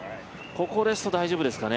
ここですと大丈夫ですかね。